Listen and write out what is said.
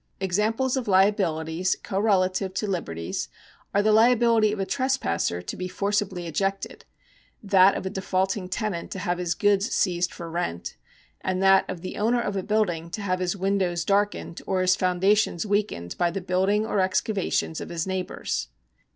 Examples of liabilities correlative to liberties are the liability of a trespasser to be forcibly ejected, that of a defaulting tenant to have his goods seized for rent, and that of the owner of a building to have his windows darkened or his foundations weakened by the building or excavations of his neighbours.